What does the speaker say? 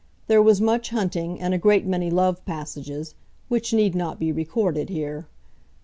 There was much hunting and a great many love passages, which need not be recorded here.